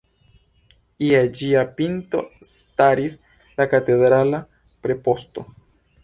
Je ĝia pinto staris la katedrala preposto.